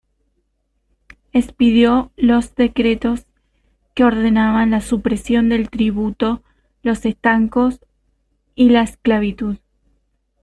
Expidió los decretos que ordenaban la supresión del tributo, los estancos y la esclavitud.